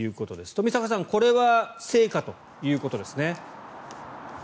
冨坂さんこれは成果ということですね。